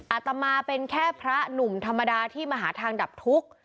อาตมาเป็นแค่พระหนุ่มธรรมดาที่มาหาทางดับทุกข์